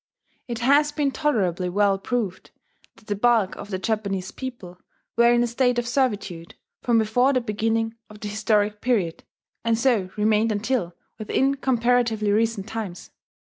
It has been tolerably well proved that the bulk of the Japanese people were in a state of servitude from before the beginning of the historic period, and so remained until within comparatively recent times.